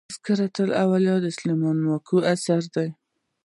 "تذکرةالاولیا" د سلیمان ماکو اثر دﺉ.